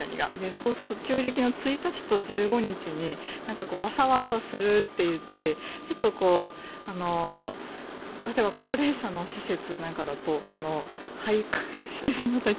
そうすると旧暦の１日と１５日にわさわさするっていってちょっと例えば高齢者の施設なんかだと徘徊してしまったり。